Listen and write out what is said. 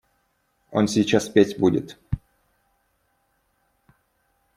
Он сейчас петь будет.